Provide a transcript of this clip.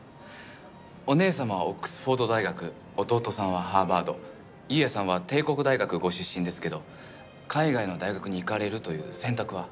お姉様はオックスフォード大学弟さんはハーバード裕也さんは帝国大学ご出身ですけど海外の大学に行かれるという選択は？